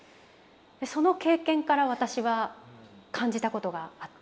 その経験から私は感じたことがあって。